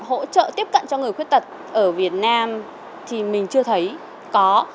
hỗ trợ tiếp cận cho người khuyết tật ở việt nam thì mình chưa thấy có